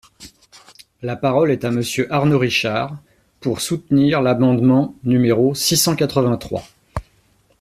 La parole est à Monsieur Arnaud Richard, pour soutenir l’amendement numéro six cent quatre-vingt-trois.